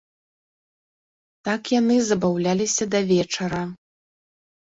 Так яны забаўляліся да вечара.